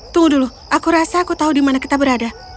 tunggu dulu aku rasa aku tahu di mana kita berada